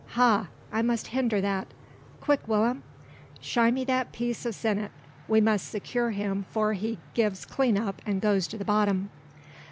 Ha! I must hinder that. Quick, Will'm, shy me that piece o' sennit: we must secure him 'fore he gives clean up and goes to the bottom.